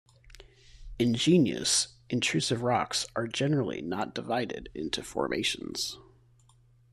Igneous intrusive rocks are generally not divided into formations.